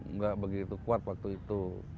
nggak begitu kuat waktu itu